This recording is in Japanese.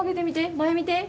前見て。